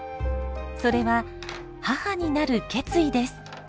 それは母になる決意です。